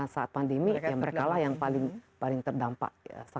saat pandemi ya mereka lah yang paling terdampak